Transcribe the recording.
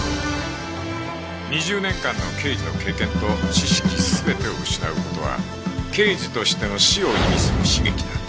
２０年間の刑事の経験と知識全てを失う事は刑事としての死を意味する悲劇だ